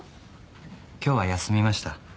今日は休みました。